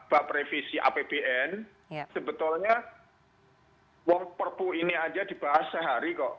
sebab revisi apbn sebetulnya perpu ini aja dibahas sehari kok